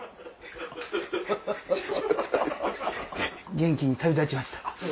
元気に旅立ちました。